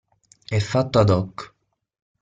È fatto ad hoc.